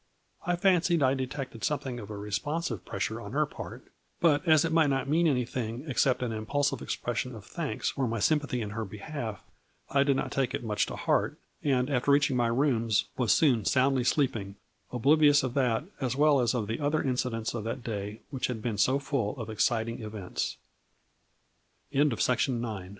I fancied I detected something of a responsive pressure on her part, but, as it might not mean anything except an impulsive expression of thanks, for my sympathy in her behalf, I did not take it much to heart, and, after reaching my rooms, was soon soundly sleeping, oblivious of that as well as of the other incidents of that